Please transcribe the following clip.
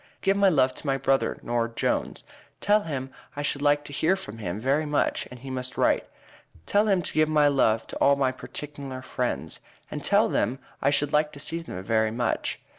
give my lov to my Brother nore Jones tel him i should like to here from him very much and he must write. tel him to give my love to all of my perticnlar frends and tel them i should like to see them very much.